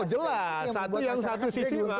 jelas satu yang satu sisi